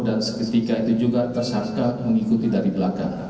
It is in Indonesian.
dan seketika itu juga tersangka mengikuti dari belakang